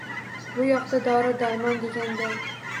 Bu yoqda dori-darmon deganday...